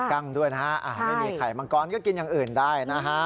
ั้งด้วยนะฮะไม่มีไข่มังกรก็กินอย่างอื่นได้นะฮะ